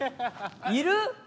いる！？